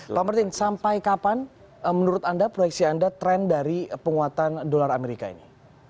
pak martin sampai kapan menurut anda proyeksi anda tren dari penguatan dolar amerika ini